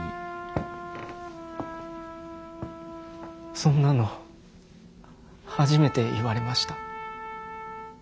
そんなの初めて言われました。